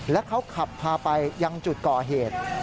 แล้วเขาขับพาไปยังจุดก่อเหตุ